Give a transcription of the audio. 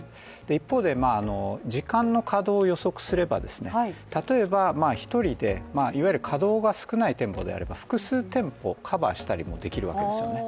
一方で時間の稼働を予測すれば、例えば１人でいわゆる稼働が少ない店舗であれば複数店舗カバーしたりもできるわけですよね。